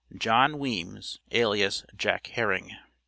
JOHN WEEMS, ALIAS JACK HERRING.